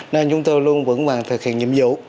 nên chúng tôi luôn vững vàng thực hiện nhiệm vụ